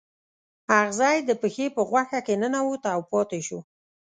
اغزی د پښې په غوښه کې ننوت او پاتې شو.